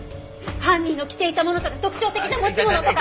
犯人の着ていたものとか特徴的な持ち物とか！